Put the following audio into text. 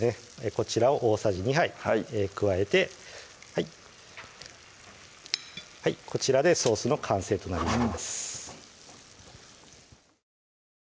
こちらを大さじ２杯加えてこちらでソースの完成となります